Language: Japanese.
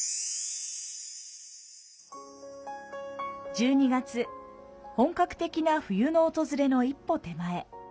１２月、本格的な冬の訪れの一歩手前。